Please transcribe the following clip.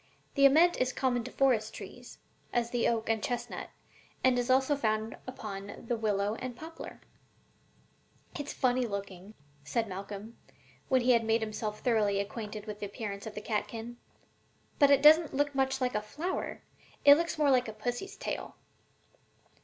The ament is common to forest trees, as the oak and chestnut, and is also found upon the willow and poplar.'" "It's funny looking," said Malcolm, when he had made himself thoroughly acquainted with the appearance of the catkin, "but it doesn't look much like a flower: it looks more like a pussy's tail."